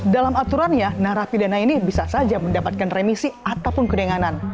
dalam aturannya narapidana ini bisa saja mendapatkan remisi ataupun kedenganan